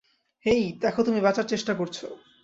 হেই, দেখো তুমি বাঁচার চেষ্টা করছো।